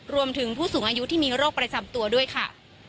รวมถึงผู้สูงอายุที่มีโรคประจำตัวด้วยค่ะ